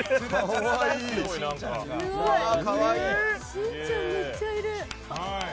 しんちゃん、めっちゃいる。